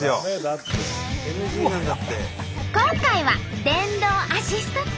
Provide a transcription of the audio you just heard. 今回は電動アシスト付き。